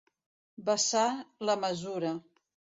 Vessar la mesura.